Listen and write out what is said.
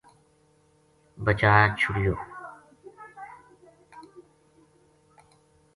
بچا چھُریو